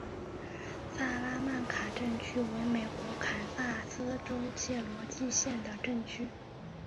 萨拉曼卡镇区为美国堪萨斯州切罗基县的镇区。